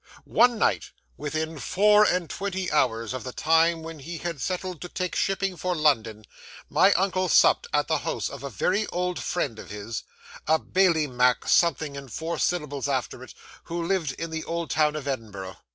'One night, within four and twenty hours of the time when he had settled to take shipping for London, my uncle supped at the house of a very old friend of his, a Bailie Mac something and four syllables after it, who lived in the old town of Edinburgh.